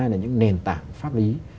là những nền tảng pháp lý